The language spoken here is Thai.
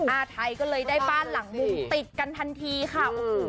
อาไทยก็เลยได้บ้านหลังมุมติดกันทันทีค่ะโอ้โห